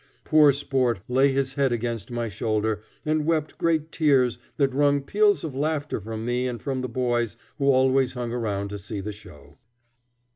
Poor Sport laid his head against my shoulder and wept great tears that wrung peals of laughter from me and from the boys who always hung around to see the show.